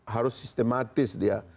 harus sistematis dia